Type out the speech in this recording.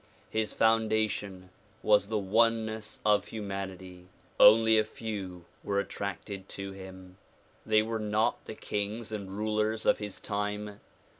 His foundation was the oneness of humanity. Only a few were attracted to him. They were not the kings and rulers of his time.